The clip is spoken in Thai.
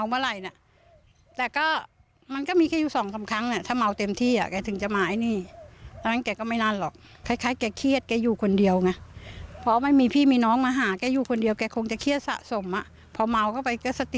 พอเมาเข้าไปก็สติแตกมันก็คงจะเป็นอย่างนั้นแหละ